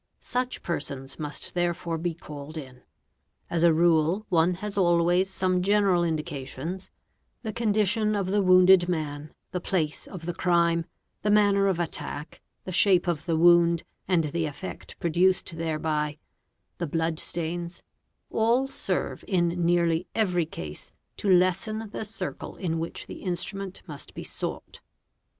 Such persons must therefore called in. As a rule one has always some general indications: the 56 4492 WEAPONS condition of the wounded man, the place of the crime, the manner of attack, the shape of the wound and the effect produced thereby, the blood — stains, all serve in nearly every case to lessen the circle in which the instrument must be sought.